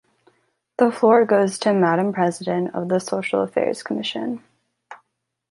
The floor goes to Madam president of the social affairs commission.